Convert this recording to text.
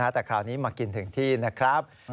แต่คราวนี้มากินถึงที่นะครับ